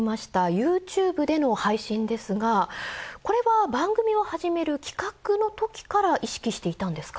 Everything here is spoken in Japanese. ＹｏｕＴｕｂｅでの配信ですがこれは番組を始める企画のときから意識していたんですか？